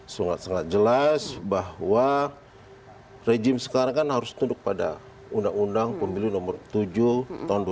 sangat sangat jelas bahwa rejim sekarang kan harus tunduk pada undang undang pemilu nomor tujuh tahun dua ribu dua